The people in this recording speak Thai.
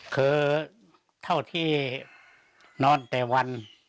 คือเท่าที่นอนแต่วัน